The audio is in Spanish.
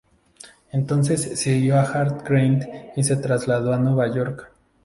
Entonces siguió a Hart Crane y se trasladó a Nueva York.